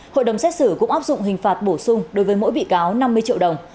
hội đồng xét xử cũng áp dụng hình phạt bổ sung đối với mỗi bị cáo năm mươi triệu đồng